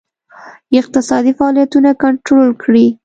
اقتصادي فعالیتونه کنټرول کړي.